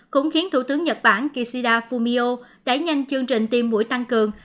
cũng khiến thủ tướng nhật bản kishida fumio đẩy nhanh chương trình tiêm mũi tăng cường